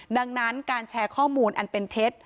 ดังนั้นการแชร์ข้อมูลอันเป็นเท็จ